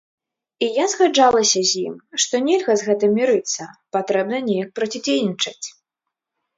І я згаджалася з ім, што нельга з гэтым мірыцца, патрэбна неяк процідзейнічаць.